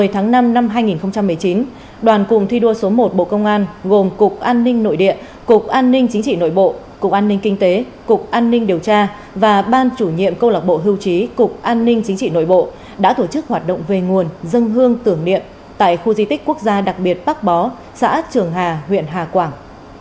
một mươi tháng năm năm hai nghìn một mươi chín đoàn cụng thi đua số một bộ công an gồm cục an ninh nội địa cục an ninh chính trị nội bộ cục an ninh kinh tế cục an ninh điều tra và ban chủ nhiệm câu lạc bộ hưu trí cục an ninh chính trị nội bộ đã tổ chức hoạt động về nguồn dân hương tưởng niệm tại khu di tích quốc gia đặc biệt bắc bó xã trường hà huyện hà quảng